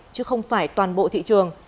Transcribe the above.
chứ không phải toàn bộ thị trường